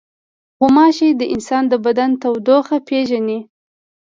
غوماشې د انسان د بدن تودوخه پېژني.